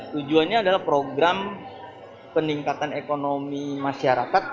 tujuannya adalah program peningkatan ekonomi masyarakat